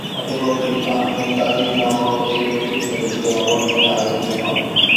অতঃপর তিনি আহমেদ তাজিক নামক এক ব্যক্তির সাথে বিবাহ বন্ধনে আবদ্ধ হন।